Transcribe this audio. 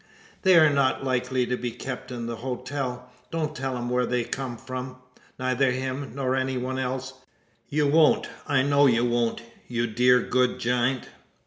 They are not likely to be kept in the hotel. Don't tell him where they come from neither him, nor any one else. You won't? I know you won't, you dear good giant."